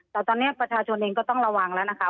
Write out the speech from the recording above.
แต่ตอนนี้ประชาชนเองก็ต้องระวังแล้วนะคะ